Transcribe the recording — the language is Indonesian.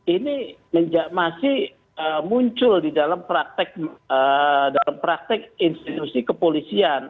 ini masih muncul di dalam praktek institusi kepolisian